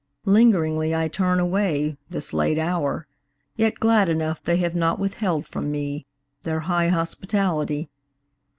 Lingeringly I turn away, This late hour, yet glad enough They have not withheld from me Their high hospitality.